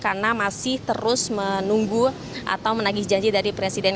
karena masih terus menunggu atau menagih janji dari presiden